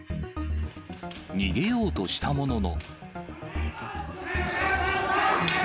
逃げようとしたものの。